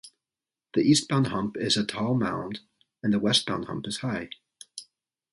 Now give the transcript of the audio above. The eastbound hump is a -tall mound and the westbound hump is high.